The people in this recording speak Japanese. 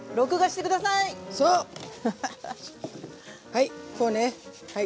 はいこうねはい。